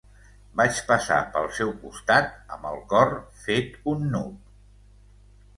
Vaig passar pel seu costat amb el cor fet un nuc.